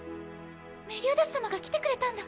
メリオダス様が来てくれたんだ。